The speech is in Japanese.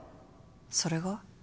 それが？